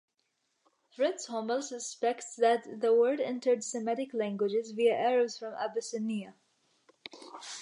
Fritz Hommel suspects that the word entered Semitic languages via Arabs from Abyssinia.